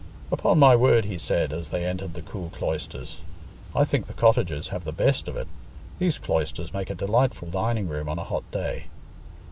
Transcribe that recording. "Upon my word," he said, as they entered the cool cloisters, "I think the cottagers have the best of it: these cloisters make a delightful dining room on a hot day.